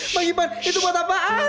pak iban itu buat apaan